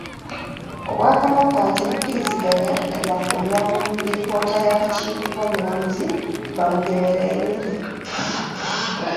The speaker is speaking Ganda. Obwakabaka tebukkiriziganya na byafulumira mu lipoota y’akakiiko k’omulamuzi Bamugemereire.